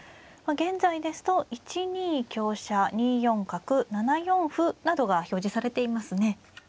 現在ですと１二香車２四角７四歩などが表示されていますね。